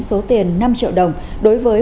số tiền năm triệu đồng đối với